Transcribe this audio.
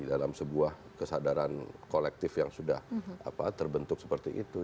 dalam sebuah kesadaran kolektif yang sudah terbentuk seperti itu